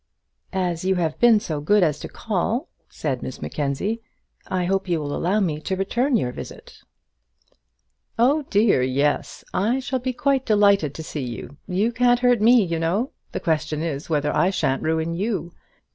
"As you have been so good as to call," said Miss Mackenzie, "I hope you will allow me to return your visit." "Oh, dear, yes shall be quite delighted to see you. You can't hurt me, you know. The question is, whether I shan't ruin you.